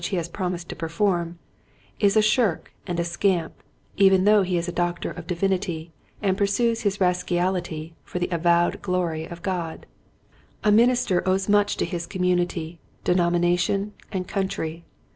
107 he has promised to perform, is a shirk and a scamp even though he is a Doctor of Divinity and pursues his rascality for the avowed glory of God. A minister owes much to his community, denomination, and country.